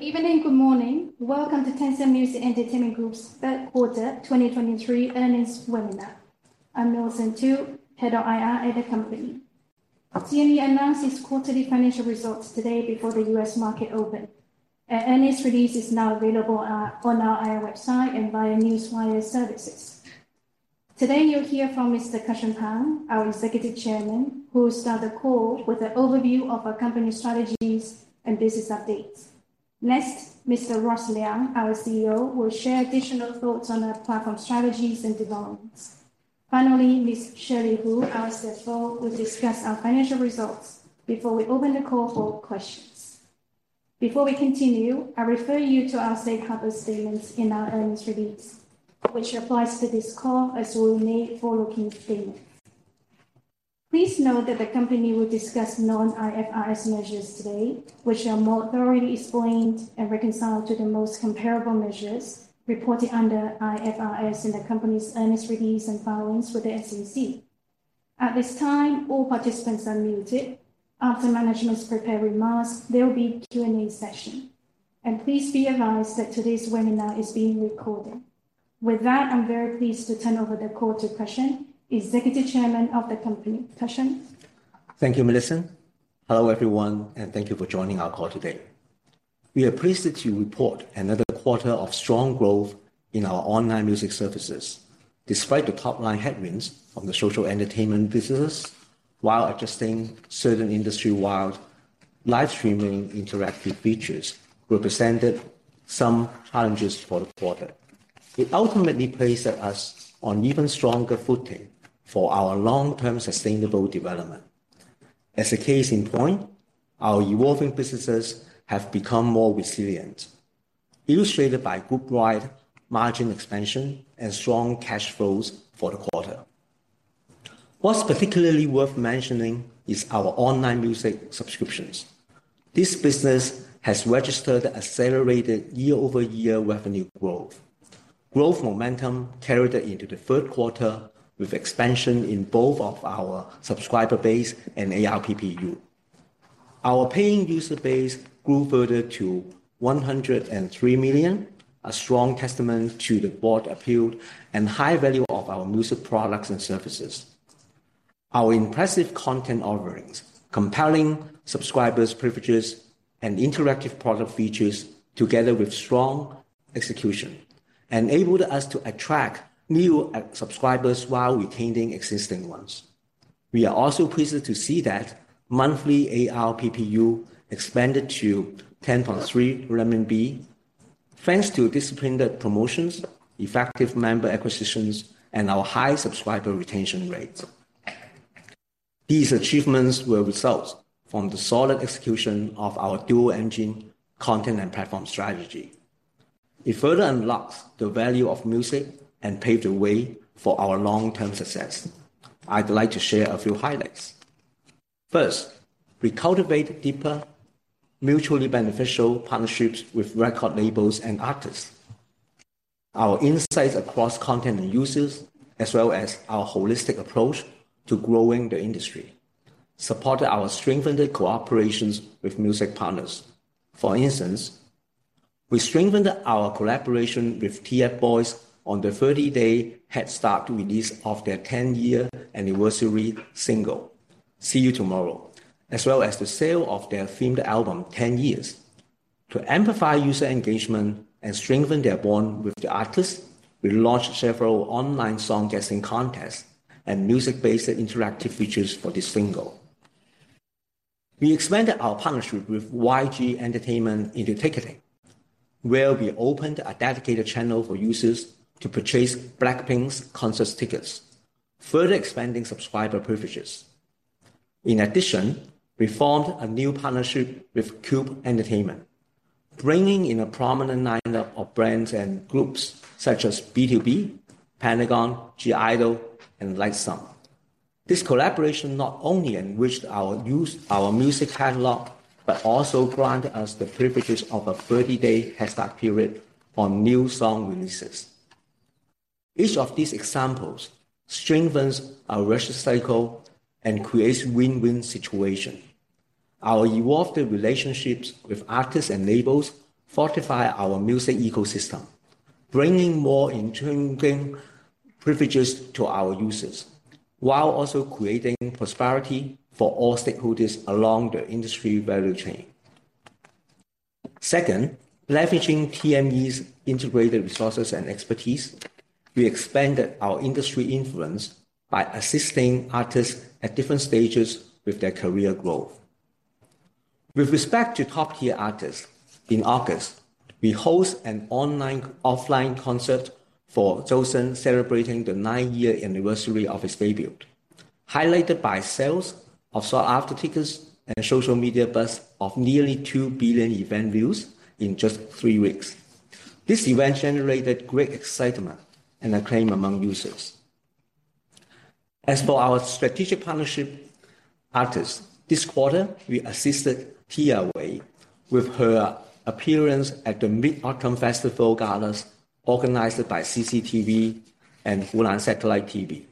Good evening, good morning. Welcome to Tencent Music Entertainment Group's Q3 2023 earnings webinar. I'm Millicent Tu, Head of IR at the company. TME announced its quarterly financial results today before the U.S. market opened. Our earnings release is now available on our IR website and via newswire services. Today, you'll hear from Mr. Cussion Pang, our Executive Chairman, who will start the call with an overview of our company strategies and business updates. Next, Mr. Ross Liang, our CEO, will share additional thoughts on our platform strategies and developments. Finally, Ms. Shirley Hu, our CFO, will discuss our financial results before we open the call for questions. Before we continue, I refer you to our safe harbor statements in our earnings release, which applies to this call as we make forward-looking statements. Please note that the company will discuss non-IFRS measures today, which are more thoroughly explained and reconciled to the most comparable measures reported under IFRS in the company's earnings release and filings with the SEC. At this time, all participants are muted. After management's prepared remarks, there will be Q&A session, and please be advised that today's webinar is being recorded. With that, I'm very pleased to turn over the call to Cussion, Executive Chairman of the company. Cussion? Thank you, Millicent. Hello, everyone, and thank you for joining our call today. We are pleased to report another quarter of strong growth in our online music services, despite the top-line headwinds from the social entertainment business, while adjusting certain industry-wide live streaming interactive features represented some challenges for the quarter. It ultimately places us on even stronger footing for our long-term sustainable development. As a case in point, our evolving businesses have become more resilient, illustrated by group-wide margin expansion and strong cash flows for the quarter. What's particularly worth mentioning is our online music subscriptions. This business has registered accelerated year-over-year revenue growth. Growth momentum carried into the Q3, with expansion in both of our subscriber base and ARPPU. Our paying user base grew further to 103 million, a strong testament to the broad appeal and high value of our music products and services. Our impressive content offerings, compelling subscribers privileges, and interactive product features, together with strong execution, enabled us to attract new subscribers while retaining existing ones. We are also pleased to see that monthly ARPPU expanded to 10.3 RMB, thanks to disciplined promotions, effective member acquisitions, and our high subscriber retention rates. These achievements were results from the solid execution of our dual-engine content and platform strategy. It further unlocks the value of music and paved the way for our long-term success. I'd like to share a few highlights. First, we cultivate deeper, mutually beneficial partnerships with record labels and artists. Our insights across content and users, as our holistic approach to growing the industry, supported our strengthened cooperations with music partners. For instance, we strengthened our collaboration with TFBoys on the 30-day headstart release of their 10-year anniversary single, See You Tomorrow, as the sale of their themed album, Ten Years. To amplify user engagement and strengthen their bond with the artists, we launched several online song guessing contests and music-based interactive features for this single. We expanded our partnership with YG Entertainment into ticketing, where we opened a dedicated channel for users to purchase BLACKPINK's concert tickets, further expanding subscriber privileges. In addition, we formed a new partnership with Cube Entertainment, bringing in a prominent lineup of brands and groups such as BtoB, Pentagon, (G)I-DLE, and LIGHTSUM. This collaboration not only enriched our our music catalog, but also granted us the privileges of a 30-day headstart period on new song releases. Each of these examples strengthens our registered cycle and creates win-win situation. Our evolved relationships with artists and labels fortify our music ecosystem, bringing more intriguing privileges to our users, while also creating prosperity for all stakeholders along the industry value chain. Second, leveraging TME's integrated resources and expertise, we expanded our industry influence by assisting artists at different stages with their career growth. With respect to top-tier artists, in August, we host an online/offline concert for Zhou Shen, celebrating the 9-year anniversary of his debut, highlighted by sales of sought-after tickets and social media buzz of nearly 2 billion event views in just 3 weeks. This event generated great excitement and acclaim among users. As for our strategic partnership artists, this quarter, we assisted Tia Wei with her appearance at the Mid-Autumn Festival Galas, organized by CCTV and Hunan Satellite TV,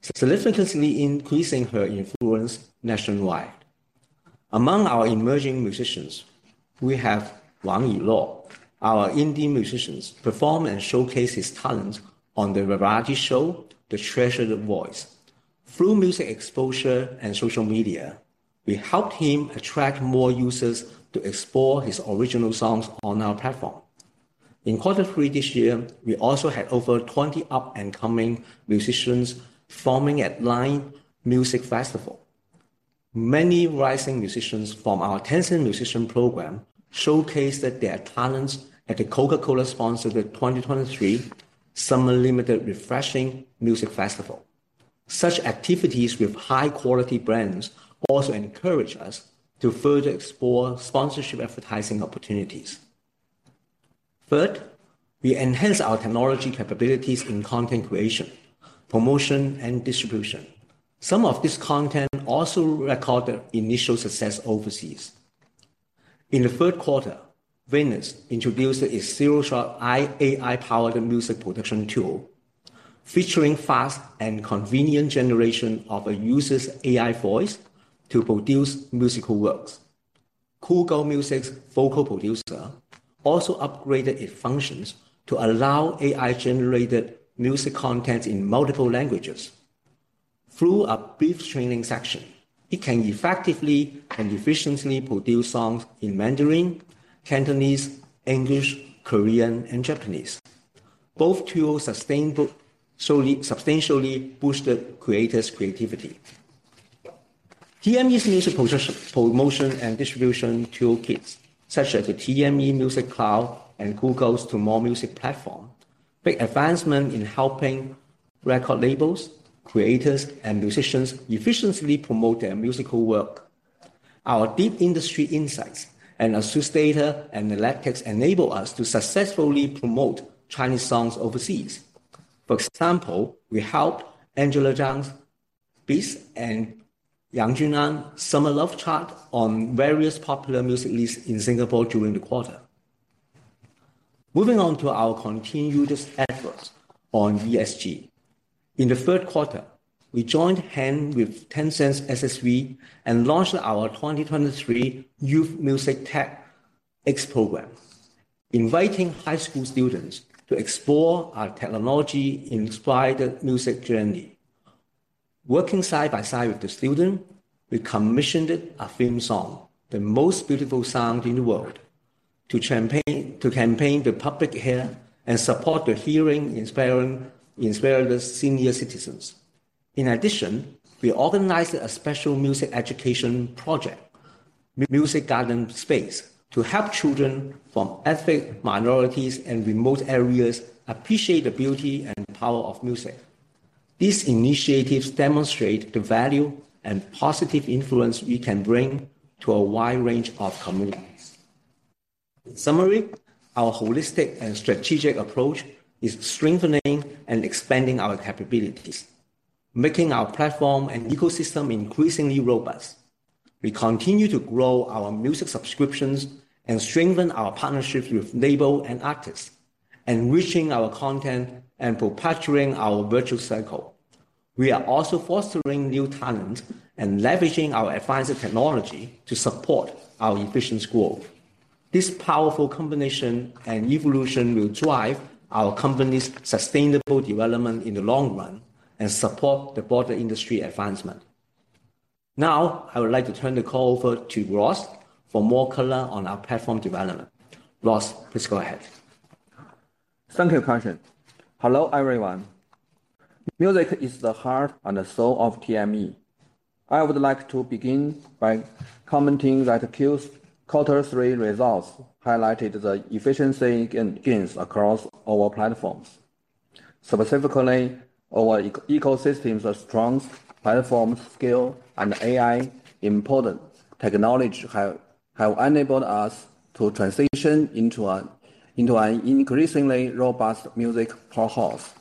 significantly increasing her influence nationwide. Among our emerging musicians, we have Wang Yilong. Our indie musicians perform and showcase his talent on the variety show, The Treasured Voice. Through music exposure and social media, we helped him attract more users to explore his original songs on our platform. In quarter three this year, we also had over 20 up-and-coming musicians performing at Rye Music Festival. Many rising musicians from our Tencent Musician Program showcased their talents at the Coca-Cola-sponsored 2023 Summer Limited Refreshing Music Festival. Such activities with high-quality brands also encourage us to further explore sponsorship advertising opportunities. Third, we enhance our technology capabilities in content creation, promotion, and distribution. Some of this content also recorded initial success overseas. In the Q3, Venus introduced its ZeroShot AI-powered music production tool, featuring fast and convenient generation of a user's AI voice to produce musical works. Kugou Music's Vocal Producer also upgraded its functions to allow AI-generated music content in multiple languages. Through a brief training section, it can effectively and efficiently produce songs in Mandarin, Cantonese, English, Korean, and Japanese. Both tools substantially boosted creators' creativity. TME's music promotion and distribution toolkits, such as the TME Music Cloud and Kugou's Tomore Music Platform, make advancement in helping record labels, creators, and musicians efficiently promote their musical work. Our deep industry insights and associated data and analytics enable us to successfully promote Chinese songs overseas. For example, we helped Angela Zhang's Beast and Yang Junnan Summer Love chart on various popular music lists in Singapore during the quarter. Moving on to our continuous efforts on ESG. In the Q3, we joined hands with Tencent SSV and launched our 2023 Youth Music Tech X Program, inviting high school students to explore our technology and inspire the music journey. Working side by side with the student, we commissioned a theme song, The Most Beautiful Sound in the World, to campaign, to campaign the public here and support the hearing-inspiring, inspired senior citizens. In addition, we organized a special music education project, Music Garden Space, to help children from ethnic minorities and remote areas appreciate the beauty and power of music. These initiatives demonstrate the value and positive influence we can bring to a wide range of communities. In summary, our holistic and strategic approach is strengthening and expanding our capabilities, making our platform and ecosystem increasingly robust. We continue to grow our music subscriptions and strengthen our partnerships with label and artists, enriching our content and perpetuating our virtual cycle. We are also fostering new talent and leveraging our advanced technology to support our efficient growth. This powerful combination and evolution will drive our company's sustainable development in the long run and support the broader industry advancement. Now, I would like to turn the call over to Ross for more color on our platform development. Ross, please go ahead. Thank you, Cussion. Hello, everyone. Music is the heart and soul of TME. I would like to begin by commenting that Q3 quarter three results highlighted the efficiency gains across our platforms. Specifically, our ecosystems are strong, platform scale, and AI-important technology have enabled us to transition into an increasingly robust music powerhouse.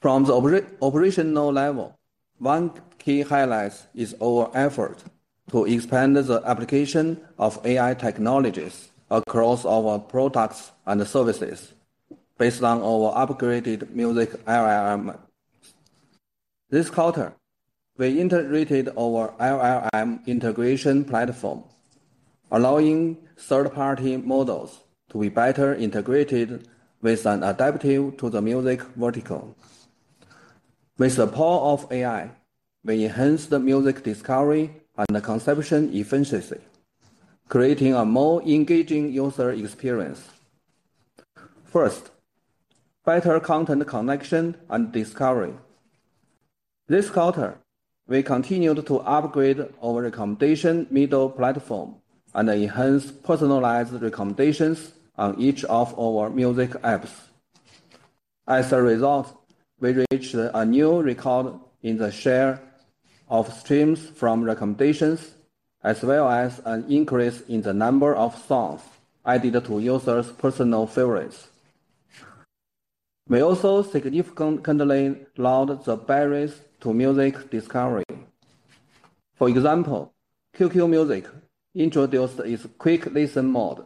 From the operational level, one key highlight is our effort to expand the application of AI technologies across our products and services based on our upgraded music LLM. This quarter, we integrated our LLM integration platform, allowing third-party models to be better integrated with and adapt to the music vertical. With the power of AI, we enhanced the music discovery and the consumption efficiency, creating a more engaging user experience. First, better content connection and discovery. This quarter, we continued to upgrade our recommendation middle platform and enhance personalized recommendations on each of our music apps. As a result, we reached a new record in the share of streams from recommendations, as an increase in the number of songs added to users' personal favorites. We also significantly lowered the barriers to music discovery. For example, QQ Music introduced its Quick Listen mode,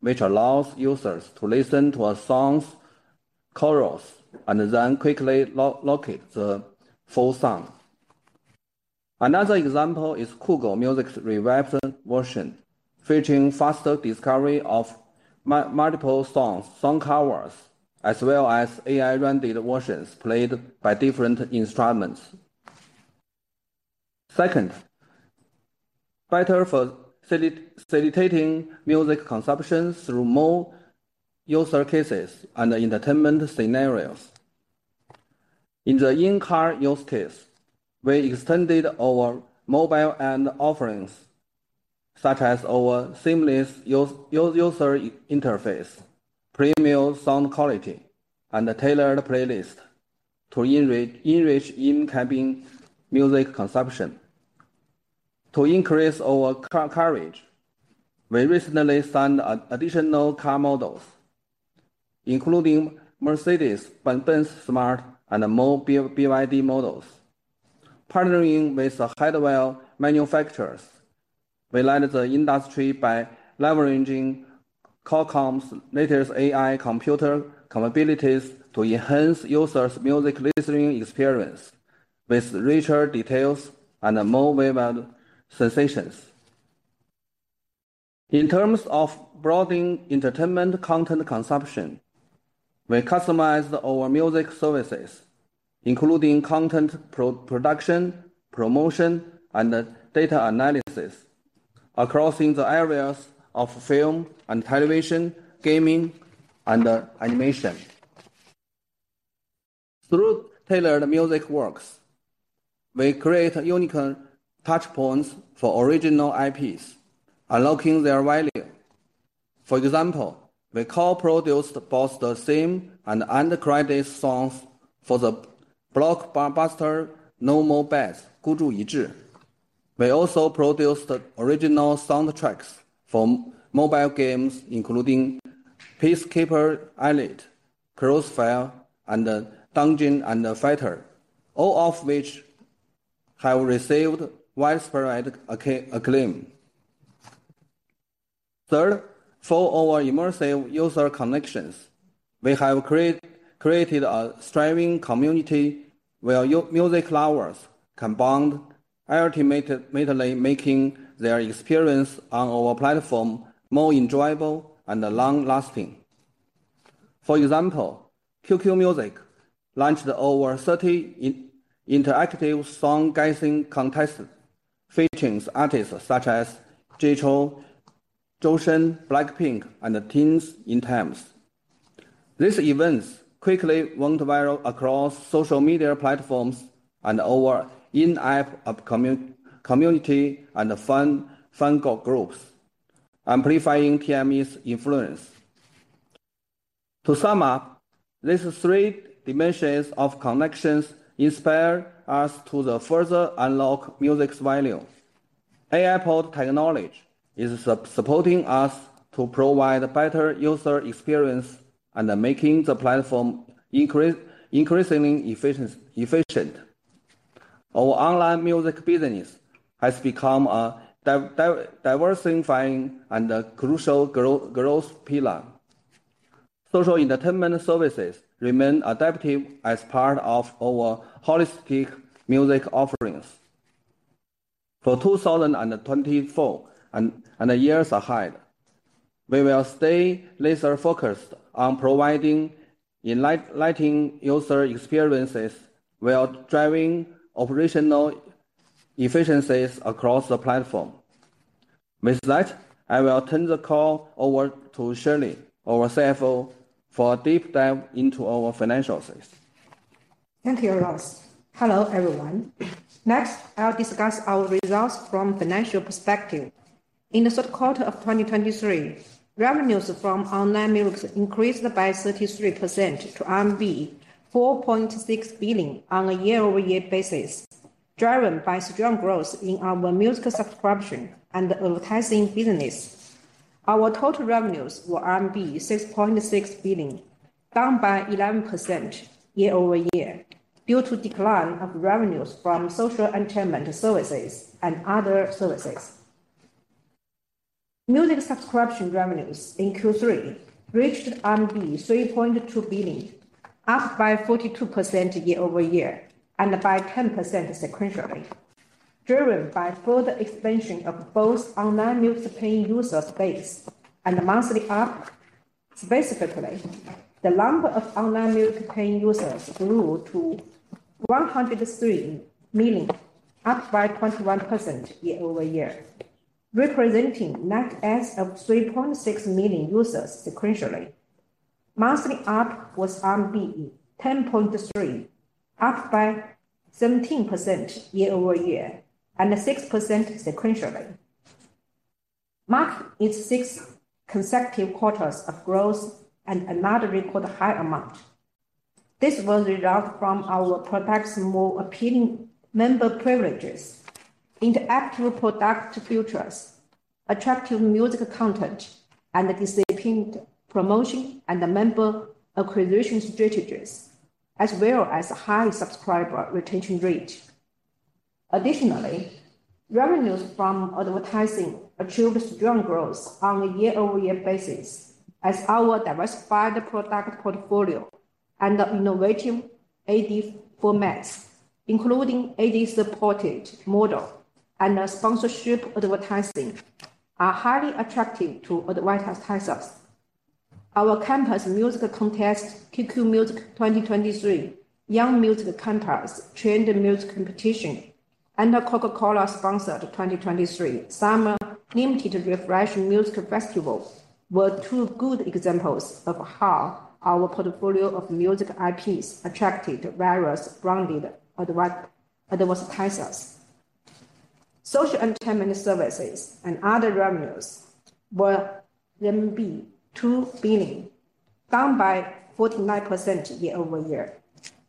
which allows users to listen to a song's chorus and then quickly locate the full song. Another example is Kugou Music's revamped version, featuring faster discovery of multiple songs, song covers, as AI-rendered versions played by different instruments. Second, better for facilitating music consumption through more user cases and entertainment scenarios. In the in-car use case, we extended our mobile and offerings, such as our seamless user interface, premium sound quality, and tailored playlist to enrich in-cabin music consumption. To increase our car coverage, we recently signed an additional car models, including Mercedes-Benz, Smart, and more BYD models. Partnering with the hardware manufacturers, we led the industry by leveraging Qualcomm's latest AI computer capabilities to enhance users' music listening experience with richer details and more vivid sensations. In terms of broadening entertainment content consumption, we customized our music services, including content production, promotion, and data analysis, across the areas of film and television, gaming, and animation. Through tailored music works, we create unique touchpoints for original IPs, unlocking their value. For example, we co-produced both the theme and end-credit songs for the blockbuster No More Bets, Gu Zhu Yi Zhi. We also produced the original soundtracks for mobile games, including Peacekeeper Elite, Crossfire, and Dungeon and Fighter, all of which have received widespread acclaim. Third, for our immersive user connections, we have created a thriving community where music lovers can bond, ultimately making their experience on our platform more enjoyable and long-lasting. For example, QQ Music launched over 30 interactive song guessing contests, featuring artists such as Jay Chou, Zhou Shen, BLACKPINK, and Teens in Times. These events quickly went viral across social media platforms and our in-app community and fan groups, amplifying TME's influence. To sum up, these three dimensions of connections inspire us to the further unlock music's value. AI-powered technology is supporting us to provide better user experience and making the platform increasingly efficient. Our online music business has become a diversifying and a crucial growth pillar. Social entertainment services remain adaptive as part of our holistic music offerings. For 2024 and the years ahead, we will stay laser-focused on providing enlightening user experiences while driving operational efficiencies across the platform. With that, I will turn the call over to Shirley, our CFO, for a deep dive into our financials. Thank you, Ross. Hello, everyone. Next, I'll discuss our results from financial perspective. In the Q3 of 2023, revenues from online music increased by 33% to RMB 4.6 billion on a year-over-year basis, driven by strong growth in our music subscription and advertising business. Our total revenues were RMB 6.6 billion, down by 11% year-over-year, due to decline of revenues from social entertainment services and other services. Music subscription revenues in Q3 reached RMB 3.2 billion, up by 42% year-over-year, and by 10% sequentially, driven by further expansion of both online music paying user base and monthly ARPU. Specifically, the number of online music paying users grew to 103 million, up by 21% year-over-year, representing net adds of 3.6 million users sequentially. Monthly ARPU was 10.3, up by 17% year-over-year, and 6% sequentially, marking its sixth consecutive quarters of growth and another record high amount. This was a result from our product's more appealing member privileges, interactive product features attractive music content, and a disciplined promotion and member acquisition strategies, as a high subscriber retention rate. Additionally, revenues from advertising achieved strong growth on a year-over-year basis as our diversified product portfolio and innovative AD formats, including AD-supported model and sponsorship advertising, are highly attractive to advertisers. Our campus music contest, QQ Music 2023, Young Music Contest, Trend Music Competition, and the Coca-Cola sponsored 2023 Summer Limited Refresh Music Festival, were two good examples of how our portfolio of music IPs attracted various branded advertisers. Social entertainment services and other revenues were 2 billion, down by 49% year-over-year.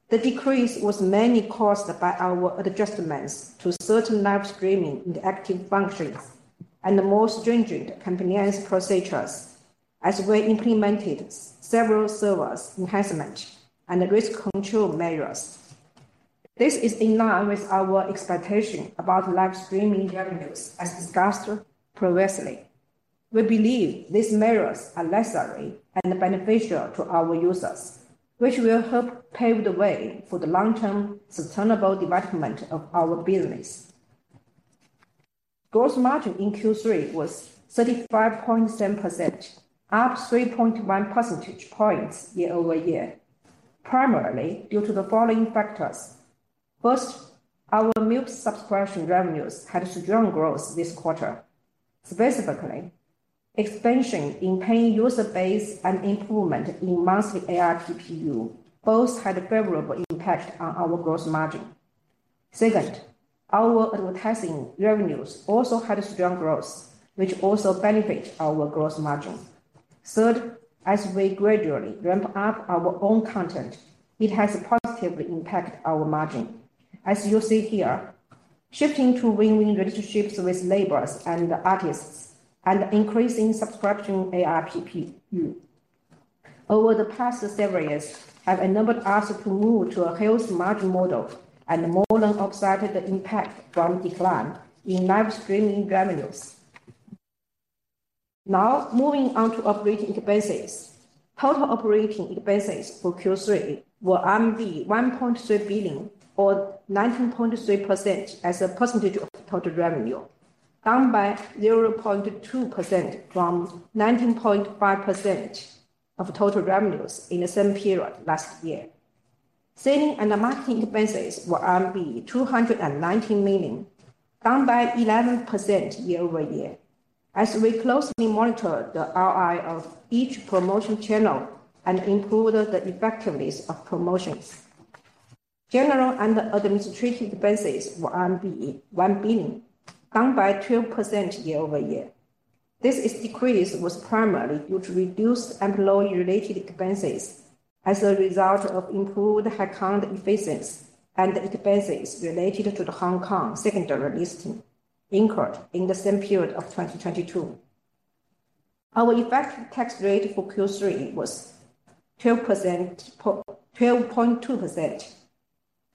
The decrease was mainly caused by our adjustments to certain live streaming interactive functions and more stringent compliance procedures, as we implemented several service enhancements and risk control measures. This is in line with our expectation about live streaming revenues, as discussed previously. We believe these measures are necessary and beneficial to our users, which will help pave the way for the long-term sustainable development of our business. Gross margin in Q3 was 35.7%, up 3.1 percentage points year-over-year, primarily due to the following factors. First, our music subscription revenues had strong growth this quarter. Specifically, expansion in paying user base and improvement in monthly ARPU both had a favorable impact on our gross margin. Second, our advertising revenues also had strong growth, which also benefit our gross margin. Third, as we gradually ramp up our own content, it has positively impacted our margin. As you see here, shifting to win-win relationships with labels and artists, and increasing subscription ARPU over the past several years have enabled us to move to a healthy margin model and more than offset the impact from decline in live streaming revenues. Now, moving on to operating expenses. Total operating expenses for Q3 were RMB 1.3 billion or 19.3% as a percentage of total revenue, down by 0.2% from 19.5% of total revenues in the same period last year. Selling and marketing expenses were 219 million, down by 11% year-over-year, as we closely monitor the ROI of each promotion channel and improved the effectiveness of promotions. General and administrative expenses were RMB 1 billion, down by 12% year-over-year. This decrease was primarily due to reduced employee-related expenses as a result of improved headcount efficiency and expenses related to the Hong Kong secondary listing incurred in the same period of 2022. Our effective tax rate for Q3 was 12%, 12.2%.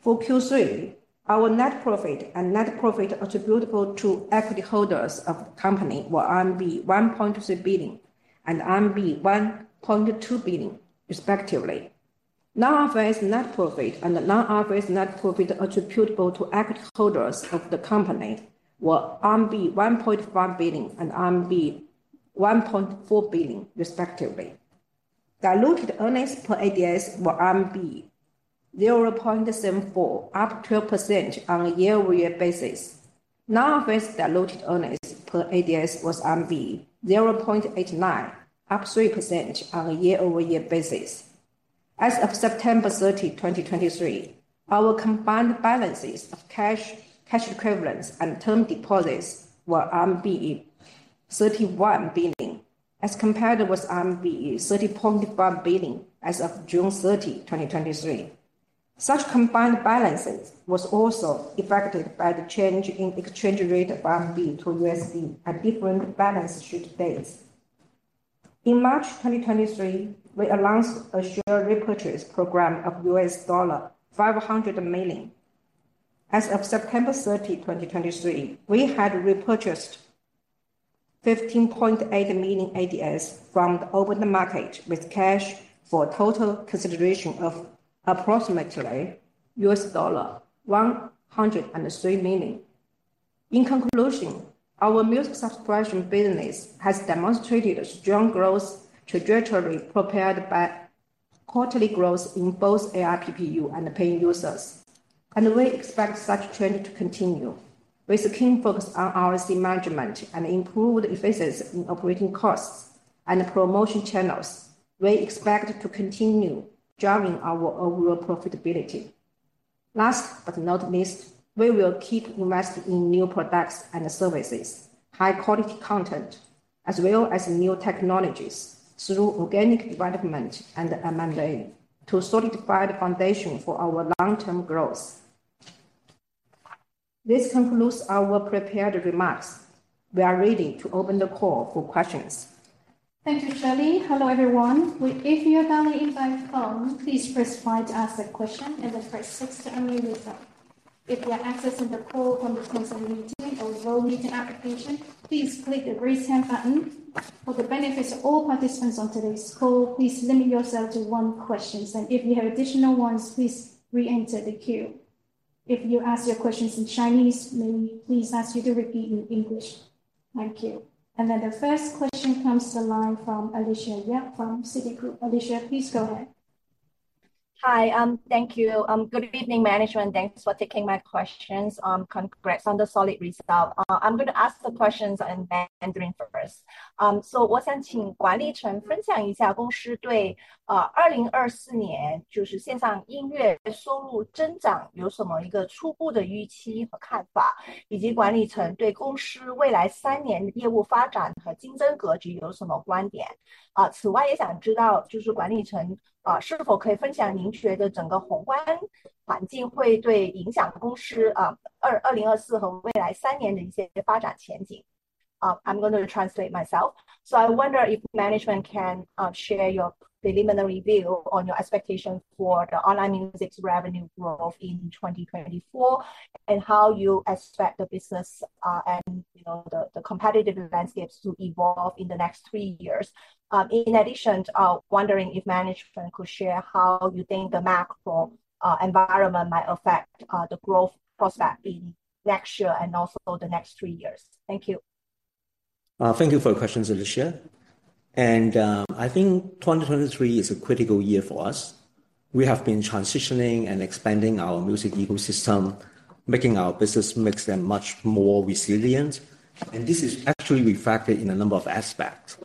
For Q3, our net profit and net profit attributable to equity holders of the company were 1.3 billion and 1.2 billion, respectively. Non-IFRS net profit and non-IFRS net profit attributable to equity holders of the company were RMB 1.5 billion and RMB 1.4 billion, respectively. Diluted earnings per ADS were RMB 0.74, up 12% on a year-over-year basis. Non-IFRS diluted earnings per ADS was 0.89, up 3% on a year-over-year basis. As of September 30, 2023, our combined balances of cash, cash equivalents, and term deposits were RMB 31 billion, as compared with RMB 30.5 billion as of June 30, 2023. Such combined balances was also affected by the change in exchange rate of RMB to USD at different balance sheet dates. In March 2023, we announced a share repurchase program of $500 million. As of September 30, 2023, we had repurchased 15.8 million ADS from the open market with cash for a total consideration of approximately $103 million. In conclusion, our music subscription business has demonstrated a strong growth trajectory, propelled by quarterly growth in both ARPU and paying users, and we expect such trend to continue. With a keen focus on RC management and improved efficiency in operating costs and promotion channels, we expect to continue driving our overall profitability. Last but not least, we will keep investing in new products and services, high-quality content, as new technologies through organic development and M&A to solidify the foundation for our long-term growth. This concludes our prepared remarks. We are ready to open the call for questions. Thank you, Shelly. Hello, everyone. If you are dialing in by phone, please press 5 to ask a question and then press 6 to unmute yourself. If you are accessing the call from the Zoom meeting or GoToMeeting application, please click the Raise Hand button. For the benefit of all participants on today's call, please limit yourself to one question, and if you have additional ones, please reenter the queue. If you ask your questions in Chinese, may we please ask you to repeat in English? Thank you. And then the first question comes to the line from Alicia Yap from Citigroup. Alicia, please go ahead. Hi, thank you. Good evening, management. Thanks for taking my questions. Congrats on the solid result. I'm gonna ask the questions in Mandarin first. I'm going to translate myself. So I wonder if management can share your preliminary view on your expectation for the online music's revenue growth in 2024, and how you expect the business and, you know, the competitive landscapes to evolve in the next three years. In addition, wondering if management could share how you think the macro environment might affect the growth prospect in next year and also the next three years. Thank you. Thank you for your question, Alicia. I think 2023 is a critical year for us. We have been transitioning and expanding our music ecosystem, making our business mix them much more resilient, and this is actually reflected in a number of aspects.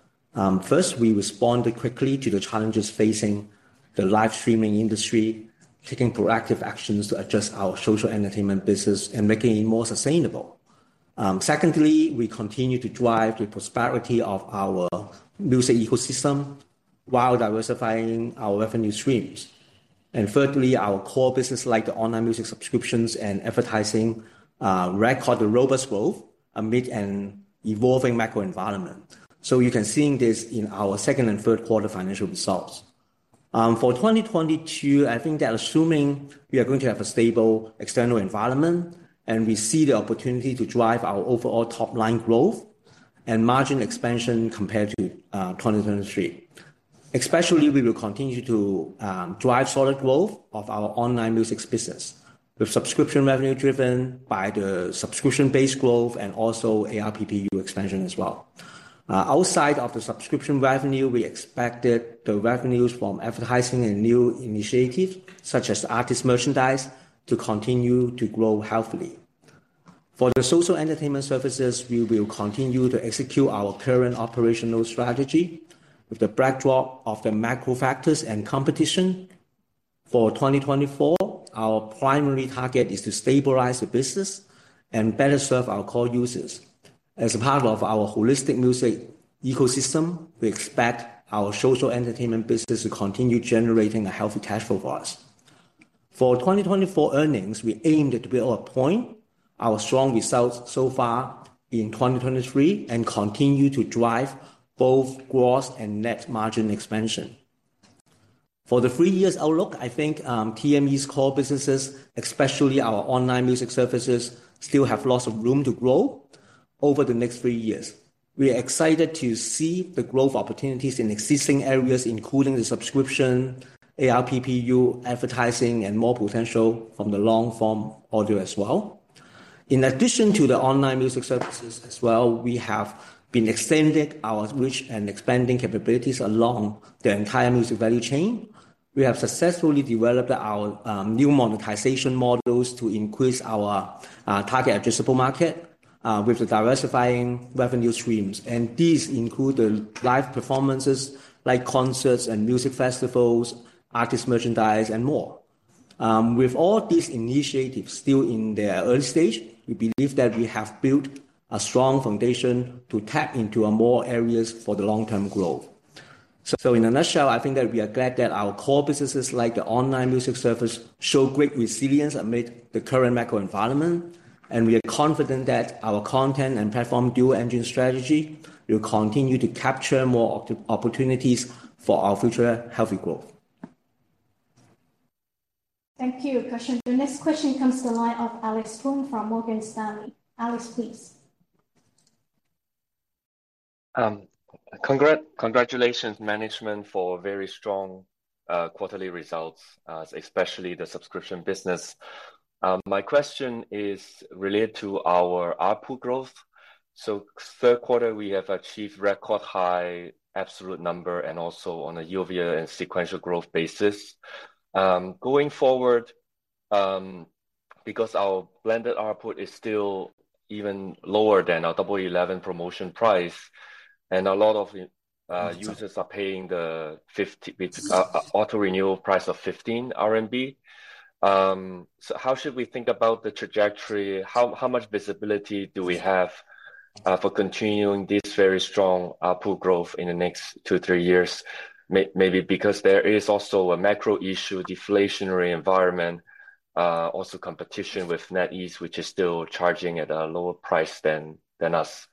First, we responded quickly to the challenges facing the live streaming industry, taking proactive actions to adjust our social entertainment business and making it more sustainable. Secondly, we continue to drive the prosperity of our music ecosystem while diversifying our revenue streams. And thirdly, our core business, like the online music subscriptions and advertising, record the robust growth amid an evolving macro environment. So you can seeing this in our second and Q3 financial results. For 2022, I think that assuming we are going to have a stable external environment, and we see the opportunity to drive our overall top-line growth and margin expansion compared to 2023. Especially, we will continue to drive solid growth of our online music business, with subscription revenue driven by the subscription-based growth and also ARPU expansion. Outside of the subscription revenue, we expected the revenues from advertising and new initiatives, such as artist merchandise, to continue to grow healthily. For the social entertainment services, we will continue to execute our current operational strategy with the backdrop of the macro factors and competition. For 2024, our primary target is to stabilize the business and better serve our core users. As a part of our holistic music ecosystem, we expect our social entertainment business to continue generating a healthy cash flow for us. For 2024 earnings, we aim to build upon our strong results so far in 2023 and continue to drive both gross and net margin expansion. For the 3-year outlook, I think, TME's core businesses, especially our online music services, still have lots of room to grow over the next three years. We are excited to see the growth opportunities in existing areas, including the subscription, ARPU, advertising, and more potential from the long-form audio.In addition to the online music services, we have been extended our reach and expanding capabilities along the entire music value chain. We have successfully developed our new monetization models to increase our target adjustable market with the diversifying revenue streams. These include the live performances, like concerts and music festivals, artist merchandise, and more. With all these initiatives still in their early stage, we believe that we have built a strong foundation to tap into more areas for the long-term growth. So in a nutshell, I think that we are glad that our core businesses, like the online music service, show great resilience amid the current macro environment, and we are confident that our content and platform dual engine strategy will continue to capture more opportunities for our future healthy growth. Thank you. The next question comes from the line of Alex Wong from Morgan Stanley. Alex, please. Congratulations, management, for very strong quarterly results, especially the subscription business. My question is related to our ARPU growth. So Q3, we have achieved record high absolute number and also on a year-over-year and sequential growth basis. Going forward, because our blended ARPU is still even lower than our Double Eleven promotion price, and a lot of users are paying the fifty auto-renewal price of 15 RMB. So how should we think about the trajectory? How much visibility do we have for continuing this very strong pool growth in the next two, three years. Maybe because there is also a macro issue, deflationary environment, also competition with NetEase, which is still charging at a lower price than us.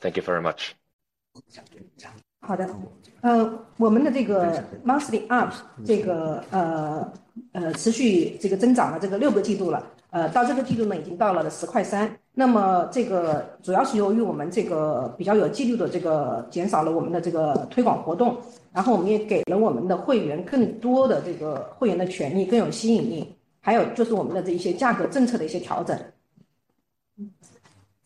Thank you very much. 好的，我们的这个 monthly ARP，这个持续这个增长了这个 6 个季度了，到这个季度呢，已经到了 CNY 10.3。那么这个主要是由于我们这个比较有纪律的这个减少了我们的这个推广活动，然后我们也给了我们的会员更多的这个会员的权益，更有吸引力。还有就是我们的一些价格政策的一些调整。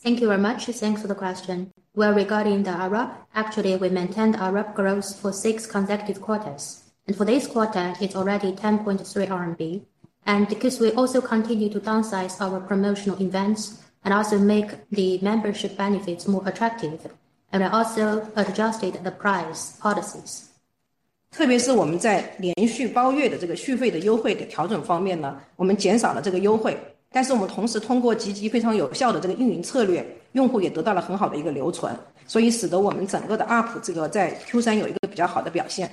Thank you very much. Thanks for the question. Regarding the ARPU, actually, we maintained our ARPU growth for six consecutive quarters, and for this quarter, it's already 10.3 RMB. And because we also continue to downsize our promotional events and also make the membership benefits more attractive, and we also adjusted the price policies. 特别是我们在连续包月的这个续费的优惠的调整方面呢，我们减少了这个优惠，但是我们同时通过极其非常有效的这个运营策略，用户也得到了很好的一个留存，所以使得我们整个的ARP这个在Q3有一个比较好的表现。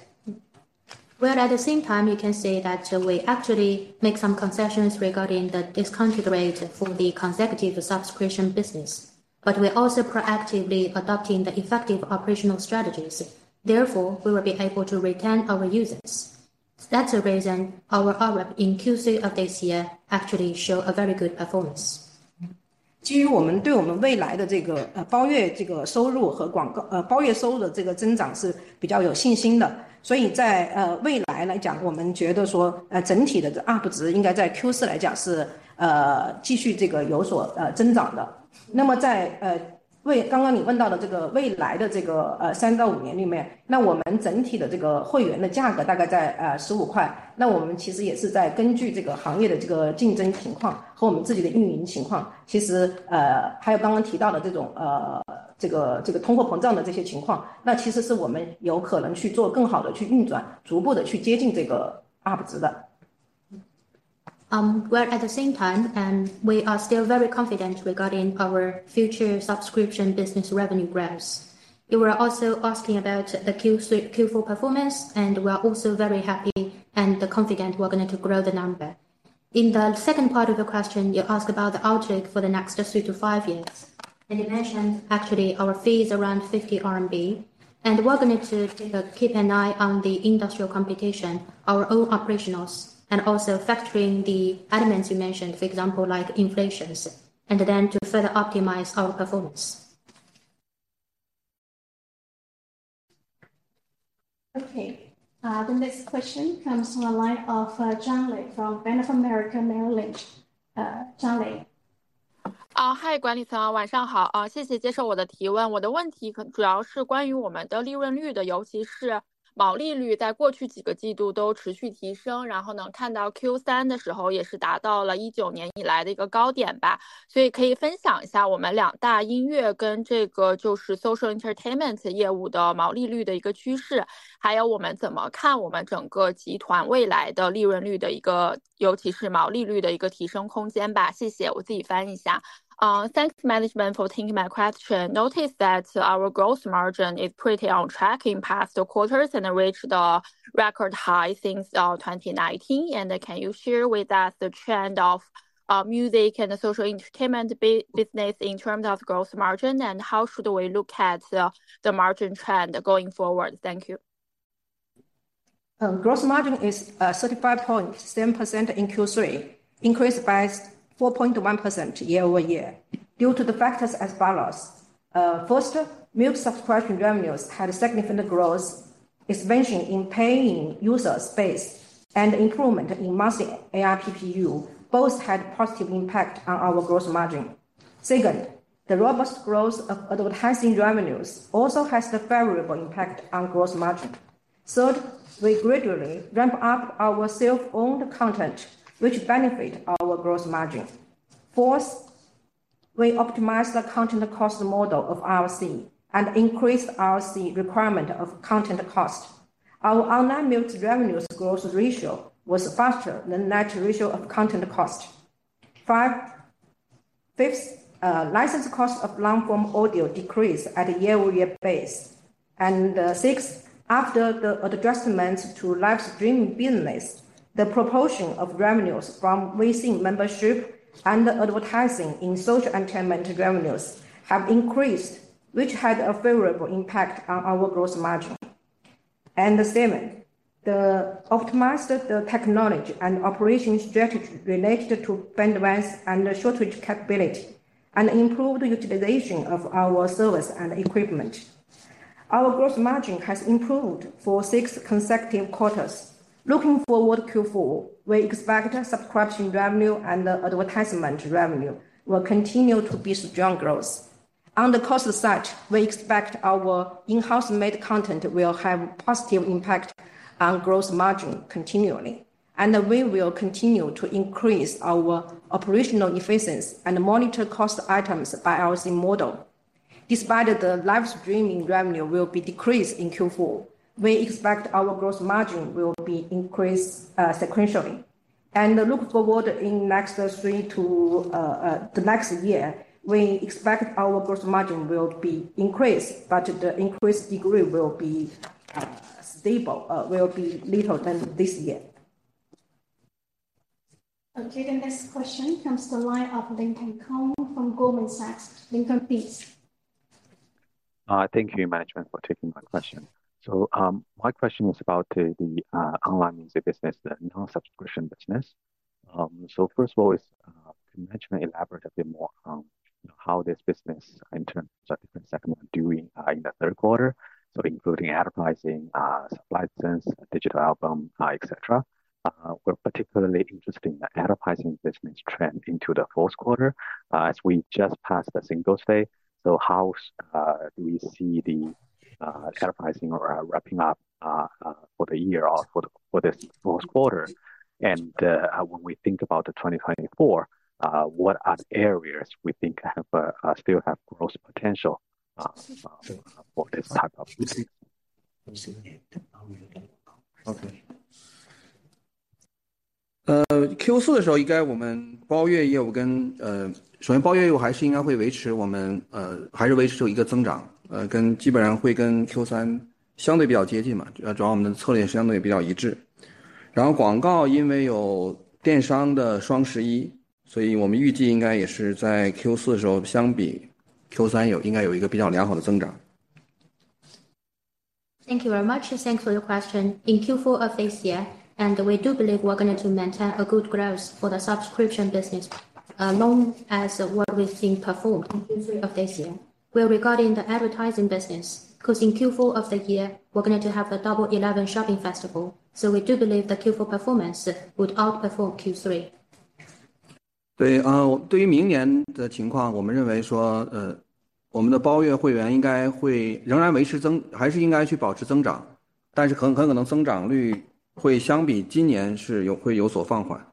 At the same time, you can see that we actually make some concessions regarding the discount rate for the consecutive subscription business, but we also proactively adopting the effective operational strategies. Therefore, we will be able to retain our users. That's the reason our ARPU in Q3 of this year actually show a very good performance. 基于我们对我们未来的这个，包月这个收入和广告. At the same time, we are still very confident regarding our future subscription business revenue growth. You were also asking about the Q3-Q4 performance, and we are also very happy and confident we're going to grow the number. In the second part of the question, you asked about the outlook for the next three to five years, and you mentioned actually our fee is around 50 RMB, and we're going to keep an eye on the industrial competition, our own operationals, and also factoring the elements you mentioned, for example, like inflations, and then to further optimize our performance. Okay. The next question comes from the line of Zhang Lei from Bank of America Merrill Lynch. Zhang Lei. Hi, 管理层，晚上好！谢谢接受我的提问。我的问题主要是关于我们的利润率的，特别是毛利率在过去几个季度都持续提升，然后呢看到Q3的时候也是达到了2019年以来的一个高点吧。所以可以分享一下我们两大音乐跟这个，就是social entertainment业务的毛利率的一个趋势，还有我们怎么看我们整个集团未来的利润率的一个. 尤其是毛利率的一个提升空间吧。谢谢，我自己翻译一下。Thanks management for taking my question. Notice that our gross margin is pretty on track in past quarters and reached a record high since 2019. And can you share with us the trend of music and social entertainment sub-business in terms of gross margin, and how should we look at the, the margin trend going forward? Thank you. Gross margin is 35.7% in Q3, increased by 4.1% year-over-year due to the factors as follows: first, music subscription revenues had significant growth, expansion in paying users base, and improvement in monthly ARPU both had positive impact on our gross margin. Second, the robust growth of advertising revenues also has the favorable impact on gross margin. Third, we gradually ramp up our self-owned content, which benefit our gross margin. Fourth, we optimize the content cost model of RC and increase RC requirement of content cost. Our online music revenues growth ratio was faster than natural ratio of content cost. Fifth, license cost of long form audio decreased at a year-over-year base. Sixth, after the adjustment to live streaming business, the proportion of revenues from recent membership and advertising in social entertainment revenues have increased, which had a favorable impact on our gross margin. Seventh, the optimized the technology and operation strategy related to bandwidth and storage capability, and improved utilization of our service and equipment. Our gross margin has improved for six consecutive quarters. Looking forward Q4, we expect subscription revenue and advertisement revenue will continue to be strong growth. On the cost side, we expect our in-house made content will have positive impact on gross margin continually, and we will continue to increase our operational efficiency and monitor cost items by RC model. Despite the live streaming revenue will be decreased in Q4, we expect our gross margin will be increased, sequentially. And look forward in next three to the next year, we expect our gross margin will be increased, but the increase degree will be stable, will be little than this year. Okay, the next question comes from the line of Lincoln Kong from Goldman Sachs. Lincoln, please. Thank you, management, for taking my question. So, my question is about the online music business, the non-subscription business. So first of all, is can management elaborate a bit more on how this business in terms of different segment doing in the Q3? So including advertising, license, digital album, etc. We're particularly interested in the advertising business trend into the Q4, as we just passed the Singles' Day. So how do we see the advertising wrapping up for the year or for the for this Q4? And when we think about the 2024, what are the areas we think have still have growth potential for this type of music? Okay. Q4的时候，应该我们的包月业务跟. 首先包月业务还是应该会维持我们，还是维持一个增长，跟基本上会跟Q3相对比较接近嘛，主要，主要我们的策略相对比较一致。然后广告因为有电商的双十一，所以我们预计应该也是在Q4的时候，相比Q3有应该有一个比较好的增长。Thank you very much, and thanks for your question. In Q4 of this year, and we do believe we're going to maintain a good growth for the subscription business, along as what we've seen performed in Q3 of this year. Regarding the advertising business, because in Q4 of the year, we're going to have a Double Eleven shopping festival, so we do believe the Q4 performance would outperform Q3. 对，对于明年的情况，我们认为说，我们的包月会员应该会仍然维持增...还是应该去保持增长，但是很,很可能增长率会相比今年是有，会有所放缓。Regarding the outlook of 2024, and in 2024, we believe our subscriber base will continue to grow, but maybe the growth rate would be slowed down compared with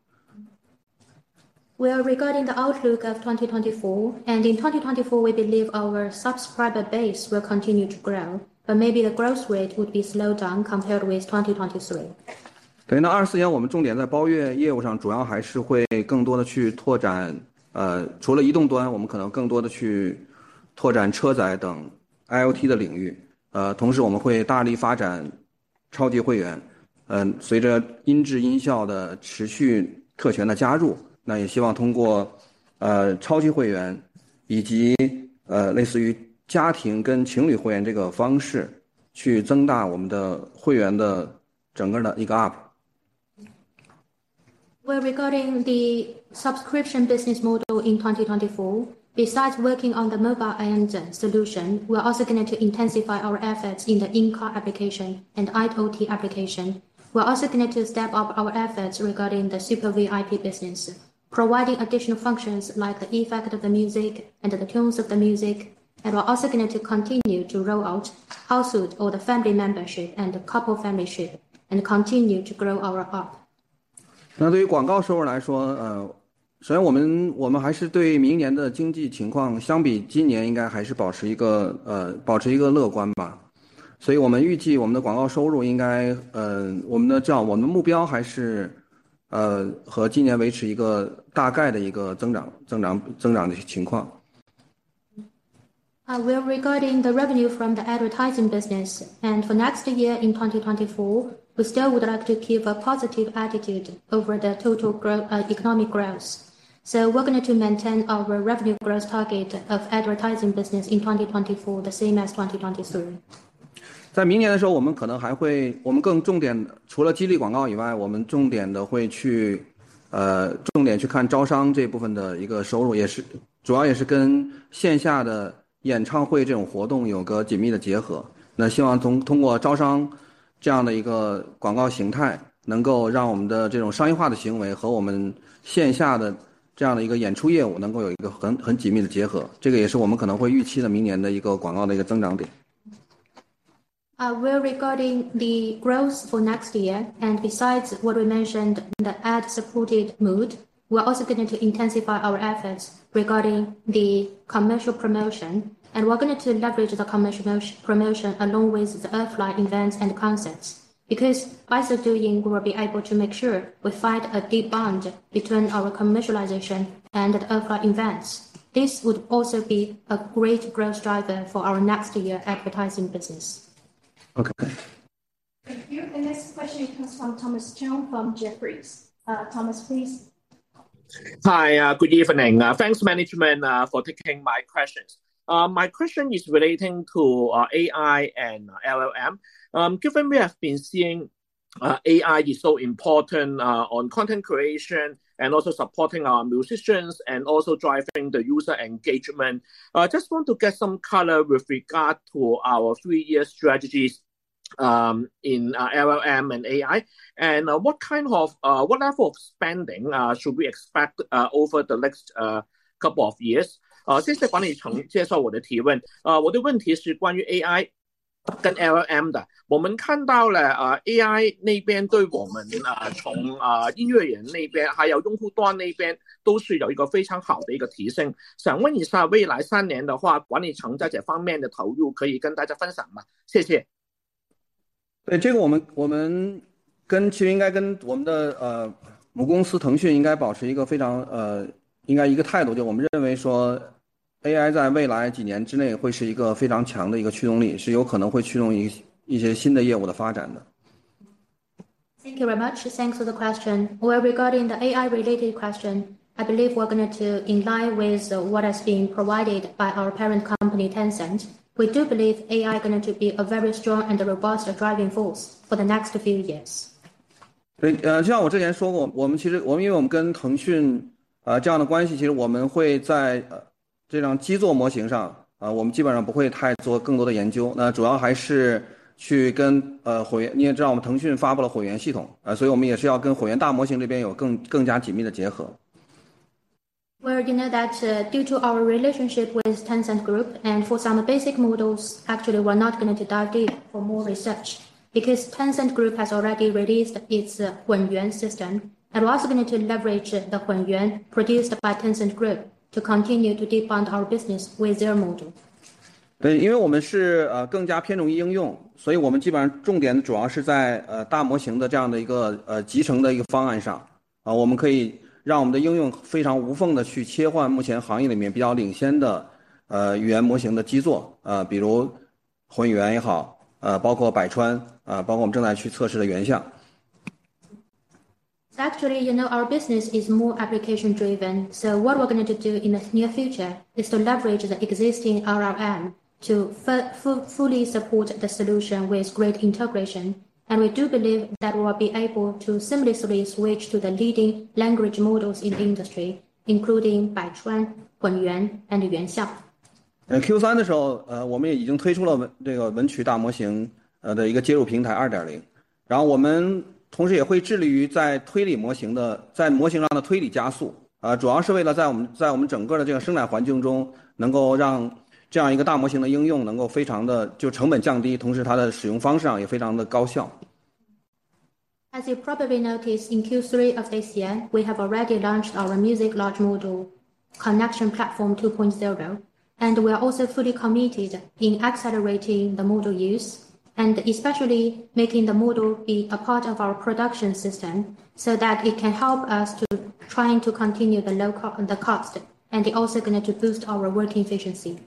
2023. 等于到2024年，我们重点在包月业务上，主要还是会更多地去拓展。除了移动端，我们可能会更多地去拓展车载等IoT的领域，同时我们会大力发展超级会员。随着音质音效的持续特权的加入，那也希望通过，超级会员以及，类似于家庭跟情侣会员这个方式，去增大我们的会员的整个的一个ARP。Regarding the subscription business model in 2024, besides working on the mobile internet solution, we are also going to intensify our efforts in the in-car application and IoT application. We are also going to step up our efforts regarding the Super VIP business, providing additional functions like the effect of the music and the tones of the music, and we're also going to continue to roll out household or the family membership and the couple membership, and continue to grow our ARPU. 那对于广告收入来说，首先我们还是对明年的经济情况，相比今年应该还是保持一个乐观吧。所以我们预计我们的广告收入应该，我们的目标还是，和今年维持一个大概的增长的情况。Regarding the revenue from the advertising business, and for next year in 2024, we still would like to keep a positive attitude over the total growth, economic growth. So we're going to maintain our revenue growth target of advertising business in 2024, the same as 2023. Regarding the growth for next year, and besides what we mentioned, the ad supported mode, we are also going to intensify our efforts regarding the commercial promotion, and we are going to leverage the commercial promo, promotion along with the Earthlight events and concepts. Because by so doing, we will be able to make sure we find a deep bond between our commercialization and the Earthlight events. This would also be a great growth driver for our next year advertising business. Okay. Thank you. The next question comes from Thomas Chong, from Jefferies. Thomas, please. Hi, good evening. Thanks management, for taking my questions. My question is relating to, AI and LLM. Given we have been seeing, AI is so important, on content creation and also supporting our musicians and also driving the user engagement, I just want to get some color with regard to our three-year strategies, in, LLM and AI, and, what level of spending, should we expect, over the next, couple of years? 谢谢管理层接受我的提问，我的问题是关于AI跟LLM的。我们看到了，AI那边对我们呢，从音乐人那边，还有用户端那边，都是有一个非常好的一个提升。想问一下未来三年的话，管理层在这方面的投入可以跟大家分享吗？谢谢。对，这个我们，我们其实应该跟我们的，母公司腾讯应该保持一个非常，应该一个态度，就我们认为说AI在未来几年之内会是一个非常强的一个驱动力，是有可能会驱动一些，一些新的业务的发展的。Thank you very much. Thanks for the question. Regarding the AI related question, I believe we are going to in line with what has been provided by our parent company, Tencent. We do believe AI going to be a very strong and robust driving force for the next few years. 对，就像我之前说过，我们其实因为我们跟腾讯这样的关系，其实我们会在这个基础模型上，我们基本上不会太做更多的研究，那主要还是去跟混元，你也知道我们腾讯发布了混元系统，所以我们也是要跟混元大模型这边有更加紧密的结合。You know that due to our relationship with Tencent Group and for some basic models, actually, we are not going to dive deep for more research, because Tencent Group has already released its Hunyuan system, and we're also going to leverage the Hunyuan produced by Tencent Group to continue to deep our business with their model. 对，因为我们是更加偏重于应用，所以我们基本上重点主要是在大模型的这样的一个集成的方案上。我们可以让我们的应用非常无缝地去切换目前行业里面比较领先的语言模型的基座，比如混元也好，包括百川，包括我们正在去测试的元相。Actually, you know, our business is more application driven. So what we're going to do in the near future is to leverage the existing LLM to fully support the solution with great integration, and we do believe that we will be able to seamlessly switch to the leading language models in the industry, including Baichuan, Hunyuan, and Yuanxiang. Q3的时候，我们也已经推出了文曲大模型的一个接入平台2.0，然后我们同时也会致力于在推理模型的，在模型上的推理加速，主要是为了在我们，在我们整个的这个生产环境中，能够让这样一个大模型的应用能够非常的就成本降低，同时它的使用方式上也非常的高效。As you probably noticed, in Q3 of this year, we have already launched our music large model connection platform 2.0. We are also fully committed in accelerating the model use, and especially making the model be a part of our production system, so that it can help us to trying to continue the low cost, and they also going to boost our work efficiency.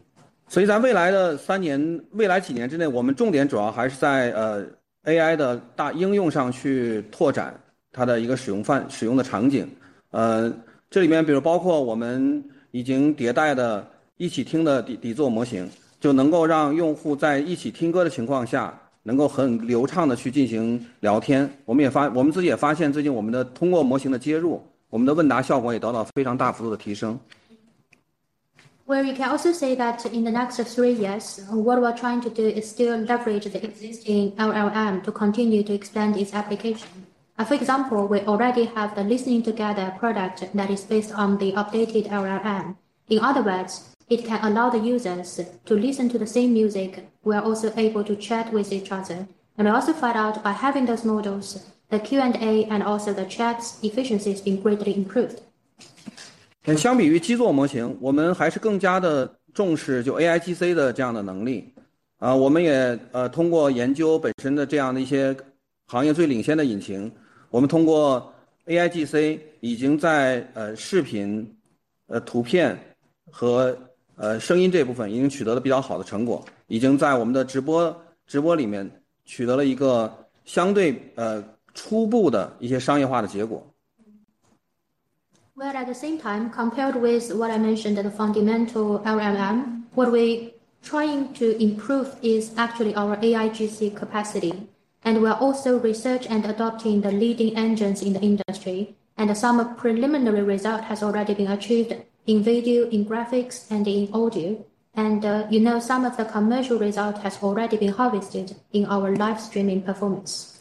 You can also say that in the next three years, what we are trying to do is still leverage the existing LLM to continue to expand its application. For example, we already have the listening together product that is based on the updated LLM. In other words, it can allow the users to listen to the same music, we are also able to chat with each other. And we also find out by having those models, the Q&A, and also the chat efficiency has been greatly improved. While at the same time, compared with what I mentioned, the fundamental LLM, what we trying to improve is actually our AIGC capacity, and we are also research and adopting the leading engines in the industry, and some preliminary result has already been achieved in video, in graphics, and in audio. You know, some of the commercial result has already been harvested in our live streaming performance.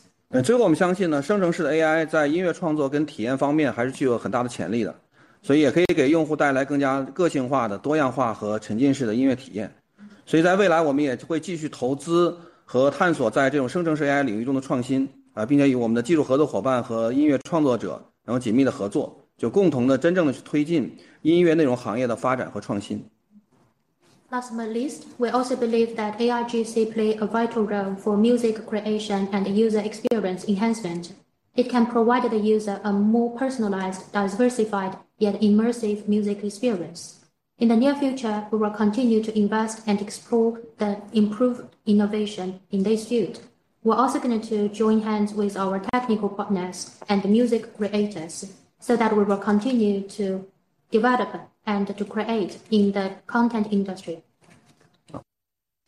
Last but not least, we also believe that AIGC play a vital role for music creation and user experience enhancement. It can provide the user a more personalized, diversified, yet immersive music experience. In the near future, we will continue to invest and explore the improved innovation in this field. We're also going to join hands with our technical partners and music creators, so that we will continue to develop and to create in the content industry.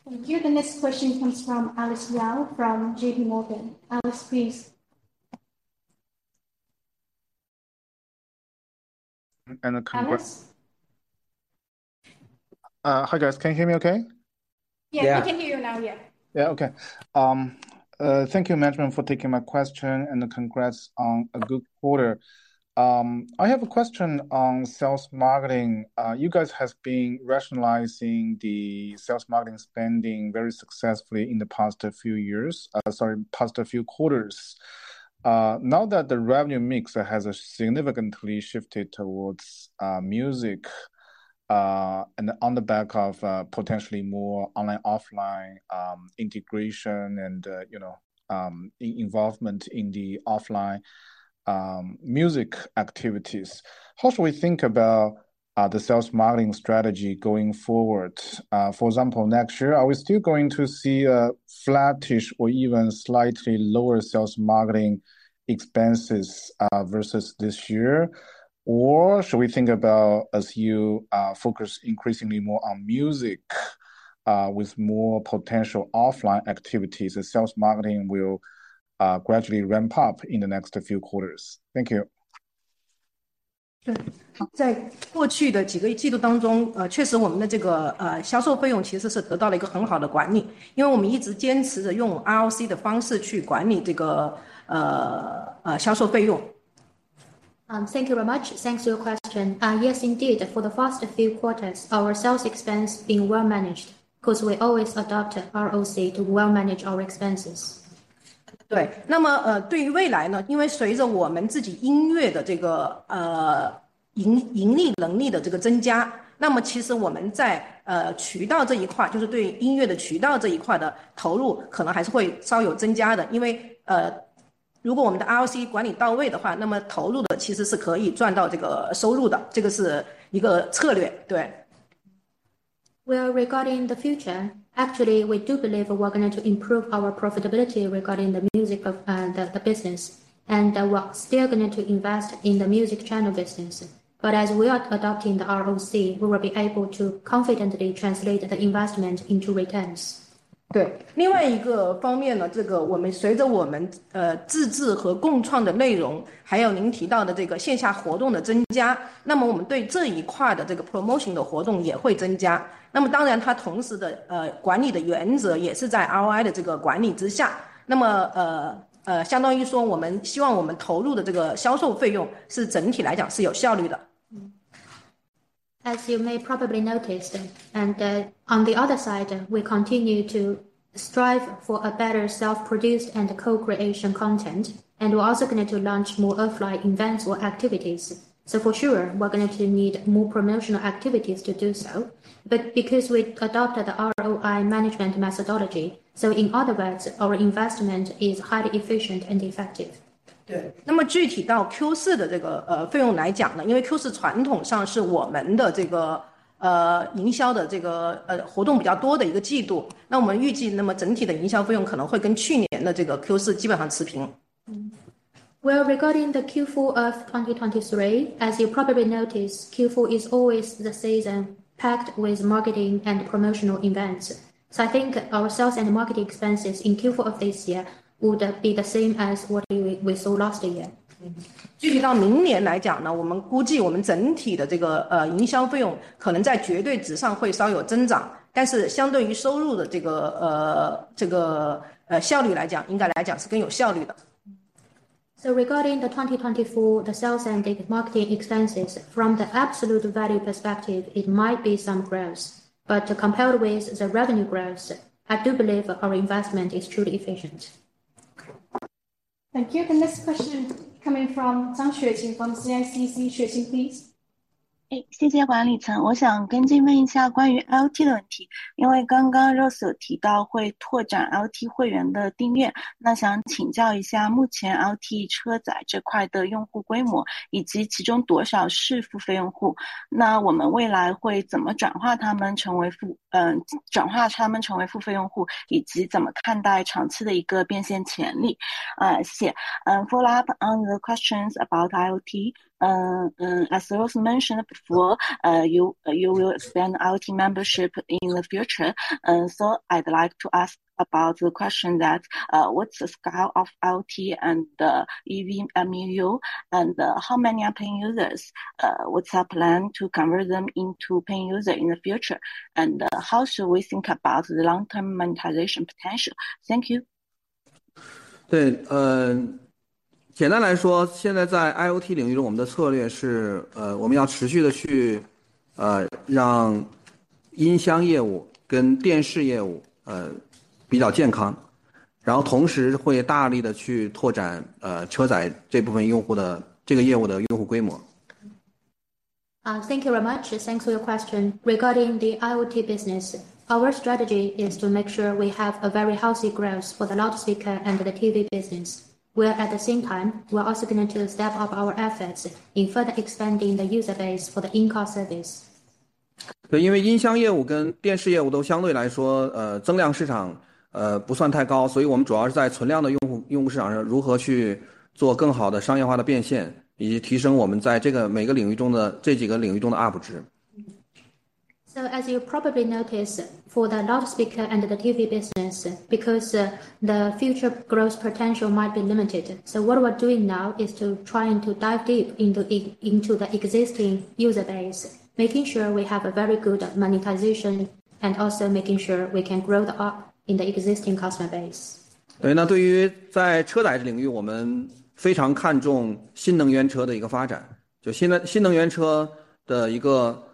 Thank you. The next question comes from Alex Yao from JP Morgan. Alex, please. And Alex? Hi guys, can you hear me OK? We can hear you now. OK. Thank you management for taking my question and congrats on a good quarter. I have a question on sales marketing. You guys has been rationalizing the sales marketing spending very successfully in the past few years. Sorry, past a few quarters. Now that the revenue mix has significantly shifted towards music, and on the back of potentially more online offline integration and you know, involvement in the offline music activities. How should we think about the sales modeling strategy going forward? For example, next year, are we still going to see a flattish or even slightly lower sales marketing expenses versus this year? Or should we think about as you focus increasingly more on music, with more potential offline activities, the sales marketing will gradually ramp up in the next few quarters. Thank you. 在过去几个季度当中，确实我们的这个销售费用其实是得到了一个很好的管理，因为我们一直坚持着用ROC的方式去管理这个销售费用。Thank you very much, thanks for your question. Yes, indeed. For the first few quarters, our sales expense being well managed, because we always adopted ROC to well manage our expenses. 对，那么对于未来呢，因为随着我们自己音乐的这个盈利能力的这个增加，那么其实我们在渠道这一块，就是对音乐的渠道这一块的投入可能还是会稍有增加的，因为，如果我们的ROC管理到位的话，那么投入的其实是可以赚到这个收入的，这是一个策略，对。Regarding the future, actually we do believe we are going to improve our profitability regarding the music of the business, and we are still going to invest in the music channel business. But as we are adopting the ROC, we will be able to confidently translate the investment into returns. As you may probably noticed, and on the other side, we continue to strive for a better self-produced and co-creation content, and we're also going to launch more offline events or activities. So for sure, we are going to need more promotional activities to do so. But because we adopted the ROI management methodology, so in other words, our investment is highly efficient and effective. 对，那么具体到Q4的这个，费用来讲呢，因为Q4传统上是我们的这个，营销的这个，活动比较多的一个季度，那我们预计那么整体的营销费用可能会跟去年的这个Q4基本持平。Regarding the Q4 of 2023, as you probably notice, Q4 is always the season packed with marketing and promotional events, so I think our sales and marketing expenses in Q4 of this year would be the same as what we saw last year. 具体到明年来讲呢，我们估计我们整体的这个，营销费用可能在绝对值上会稍有增长，但是相对于收入的这个，这个，效率来讲，应该来讲是更有效率的。Regarding the 2024, the sales and marketing expenses from the absolute value perspective, it might be some growth, but compared with the revenue growth, I do believe our investment is truly efficient. Thank you. The next question coming from Zhang Xueqin from CICC. Xueqin please. Thank you, management. I want to follow up and ask about the IoT question, because just now Ross mentioned you will expand IoT membership subscriptions. So, want to please ask about the current user scale for the IoT in-car segment, as how many among them are paying users. In the future, how will we convert them into paying users, as how to view the long-term monetization potential? Thanks. Follow up on the questions about IoT, as Ross mentioned before, you will expand IoT membership in the future. So I'd like to ask about the question that what's the scale of IoT and the EV MAU, and how many are paying users? What's our plan to convert them into paying users in the future? And how should we think about the long-term monetization potential? Thank you. 对，简单来说，现在在 IoT 领域中，我们的策略是，我们要持续地去，让音箱业务跟电视业务比较健康，然后同时会大力地去拓展，车载这部分用户的这个业务的用户的规模。Thank you very much. Thanks for your question. Regarding the IoT business, our strategy is to make sure we have a very healthy growth for the loudspeaker and the TV business, where at the same time, we are also going to step up our efforts in further expanding the user base for the in-car service. 对，因为音箱业务跟电视业务都相对来说，增量市场不算太高，所以我们主要是在存量的用户市场上如何去做更好的商业化的变现，以及提升我们在这几个领域中的UP值。So as you probably notice, for the loudspeaker and the TV business, because the future growth potential might be limited. So what we are doing now is to trying to dive deep into the existing user base, making sure we have a very good monetization and also making sure we can grow the up in the existing customer base. 对，那对于在车载领域，我们非常看重新能源车的一个发展，就新能源，新能源汽车的一个快速的一个演进。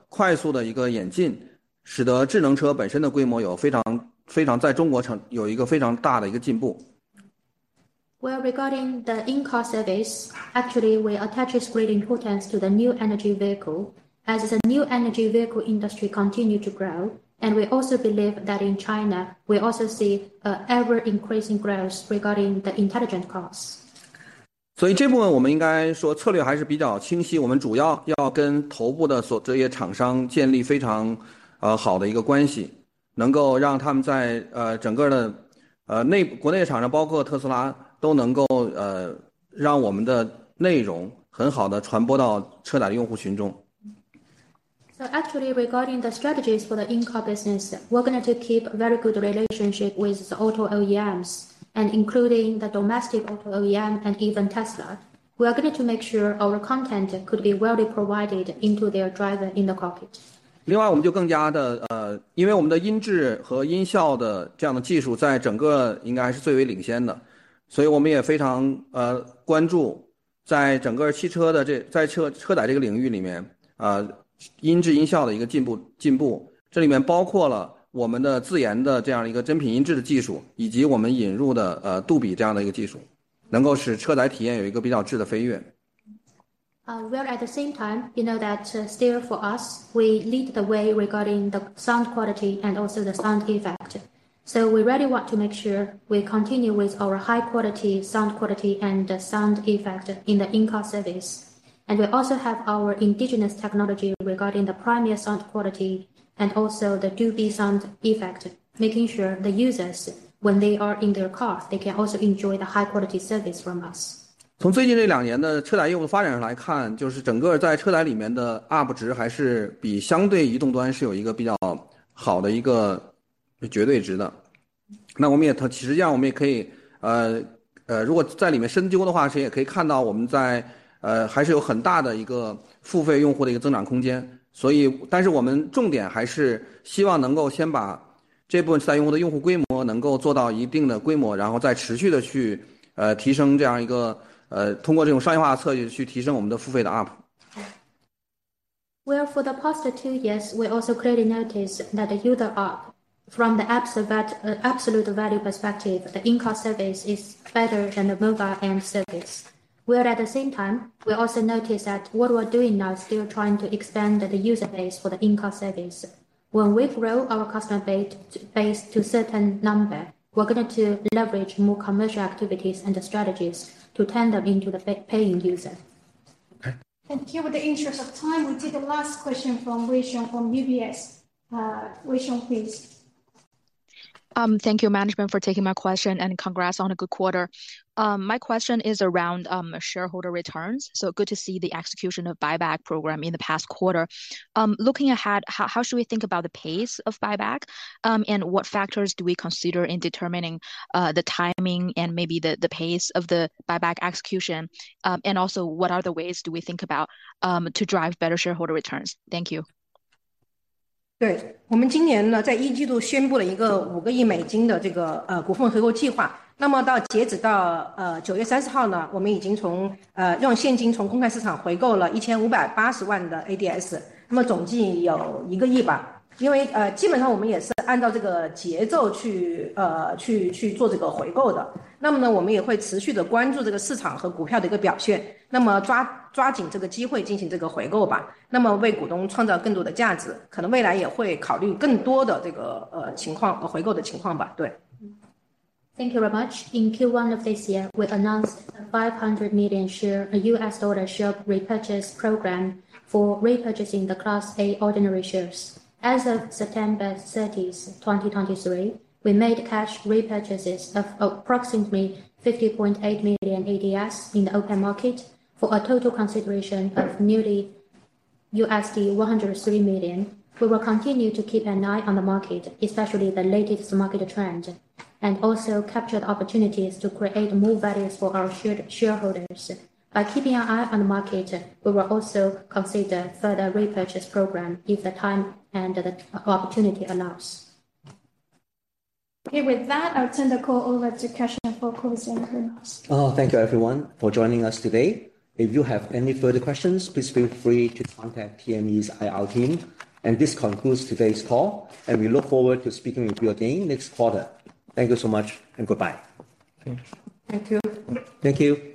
使得智能车本身的规模有非常非常大的进步，在中国。Regarding the in-car service, actually, we attach great importance to the new energy vehicle as the new energy vehicle industry continue to grow. We also believe that in China, we also see a ever-increasing growth regarding the intelligent cars. 所以这部分我们应该说策略还是比较清晰，我们主要要跟头部的这些厂商建立非常好的一个关系，能够让他们在，整个的，国内的厂商，包括特斯拉，都能够，让我们的内容很好地传播到车载用户群众。So actually, regarding the strategies for the in-car business, we're going to keep very good relationship with the auto OEMs, and including the domestic auto OEM and even Tesla. We are going to make sure our content could be well provided into their driver in the cockpit. 另外，我们就更加地，因为我们的音质和音效这样的技术在整个应该是最为领先的，所以我们也非常关注在整个汽车，在车载这个领域里面，音质音效的一个进步，这里包括了我们的自研的这样一个真品音质的技术，以及我们引入的杜比这样的一个技术，能够使车载体验有一个比较质的飞跃。At the same time, you know that still for us, we lead the way regarding the sound quality and also the sound effect. So we really want to make sure we continue with our high quality, sound quality, and the sound effect in the in-car service. And we also have our indigenous technology regarding the premier sound quality and also the Dolby sound effect, making sure the users, when they are in their cars, they can also enjoy the high quality service from us. 从最近这两年的车载用户发展来看，就是整个在车载里面的ARPU值还是比相对移动端是有一个比较好的一个绝对值的。那么我们也，其实这样我们也可以，如果在里面深究的话，其实也可以看到我们在，还是有很大的一个付费用户的一个增长空间。所以，但是我们重点还是希望能够先把这部分车载用户的用户规模能够做到一定的规模，然后再持续地去，提升这样一个，通过这种商业化策略去提升我们的付费的ARPU。For the past two years, we also clearly noticed that the user ARPU from the apps of that, absolute value perspective, the in-car service is better than the mobile end service. Where at the same time, we also noticed that what we are doing now is still trying to expand the user base for the in-car service. When we grow our customer base to certain number, we're going to leverage more commercial activities and strategies to turn them into the paying user. Thank you. In the interest of time, we take the last question from Wei Xiong from UBS. Wei Xiong, please. Thank you, management, for taking my question, and congrats on a good quarter. My question is around shareholder returns. So good to see the execution of buyback program in the past quarter. Looking ahead, how should we think about the pace of buyback? And what factors do we consider in determining the timing and maybe the pace of the buyback execution? And also, what are the ways do we think about to drive better shareholder returns? Thank you. Thank you very much. In Q1 of this year, we announced a $500 million share, US dollar share repurchase program for repurchasing the Class A ordinary shares. As of September 30, 2023, we made cash repurchases of approximately 50.8 million ADS in the open market, for a total consideration of nearly $103 million. We will continue to keep an eye on the market, especially the latest market trend, and also capture the opportunities to create more value for our shareholders. By keeping an eye on the market, we will also consider further repurchase program if the time and the opportunity allows. Okay, with that, I'll turn the call over to Cussion for closing remarks. Thank you everyone for joining us today. If you have any further questions, please feel free to contact TME's IR team. This concludes today's call, and we look forward to speaking with you again next quarter. Thank you so much and goodbye. Thank you. Thank you. Thank you.